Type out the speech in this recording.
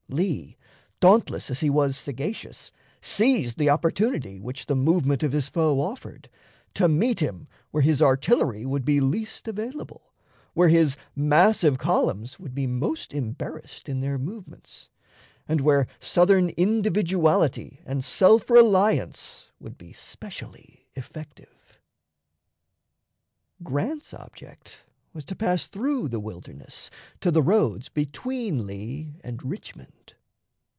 Lee, dauntless as he was sagacious, seized the opportunity, which the movement of his foe offered, to meet him where his artillery would be least available, where his massive columns would be most embarrassed in their movements, and where Southern individuality and self reliance would be specially effective. Grant's object was to pass through "the Wilderness" to the roads between Lee and Richmond.